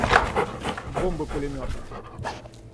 Бомбы-пулеметы!